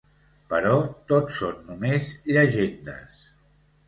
Però tot són només llegendes.